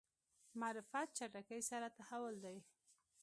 معرفت چټکۍ سره تحول دی.